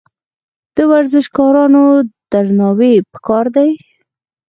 د ورزشکارانو درناوی پکار دی.